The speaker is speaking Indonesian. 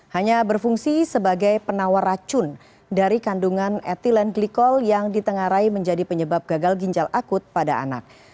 hanya berfungsi sebagai penawar racun dari kandungan ethylene glycol yang ditengarai menjadi penyebab gagal ginjal akut pada anak